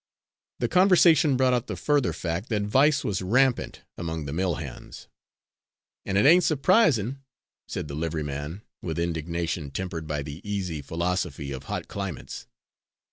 The conversation brought out the further fact that vice was rampant among the millhands. "An' it ain't surprisin'," said the liveryman, with indignation tempered by the easy philosophy of hot climates.